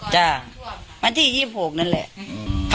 จากมาที่๒๖นั่นแหละ